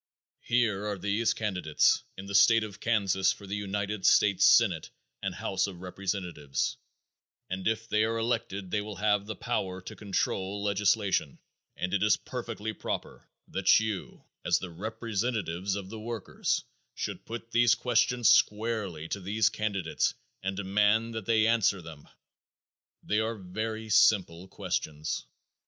Here are these candidates in the State of Kansas for the United States senate and house of representatives and if they are elected they will have the power to control legislation, and it is perfectly proper that you, as the representatives of the workers, should put these questions squarely to these candidates and demand that they answer them. They are very simple questions.